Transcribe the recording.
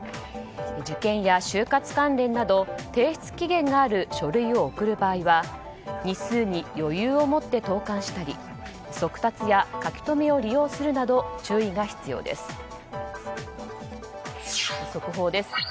受験や就活関連など提出期限がある書類を送る場合は日数に余裕をもって投函したり速達や書留を利用するなど注意が必要です。